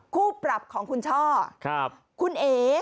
คู่ปรับของคุณช่อคุณเอ๋